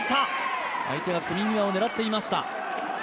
相手が組み際を狙っていました。